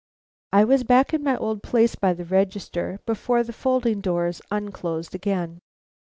I was back in my old place by the register before the folding doors unclosed again.